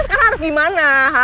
gue sekarang harus gimana